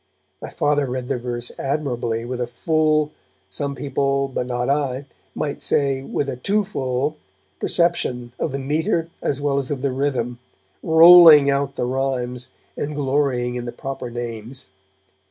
My Father read the verse admirably, with a full, some people (but not I) might say with a too full perception of the metre as well as of the rhythm, rolling out the rhymes, and glorying in the proper names.